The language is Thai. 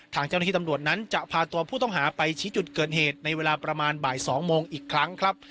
ทางเจ้าหน้าที่ตำรวจนั้นจะพาตัวผู้ต้องหาไปชี้จุดเกิดเหตุในเวลาประมาณบ่าย๒โมงอีกครั้งครับ